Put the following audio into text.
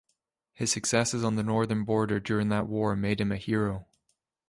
His successes on the northern border during that war made him a hero.